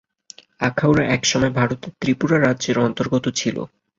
আখাউড়া এক সময় ভারতের ত্রিপুরা রাজ্যের অন্তর্গত ছিল।